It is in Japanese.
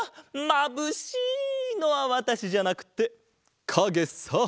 「まぶしい！」のはわたしじゃなくてかげさ！